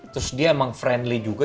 terus dia emang friendly juga